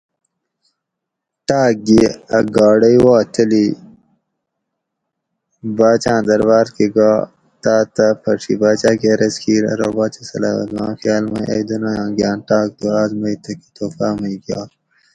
ٹاۤک گھی ا گاڑے وا تلی باچاۤں درباۤر کہ گا تاتہ پھڛی باچاۤ کہ عرض کیر ارو باچہ سلامت ما خیال مئی ائی دُنایاں گھاۤن ٹاۤک تھو آس مئی تھکہ تحفاۤ مئی گھیات